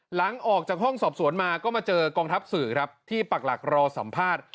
หลังจากออกจากห้องสอบสวนมาก็มาเจอกองทัพสื่อครับที่ปักหลักรอสัมภาษณ์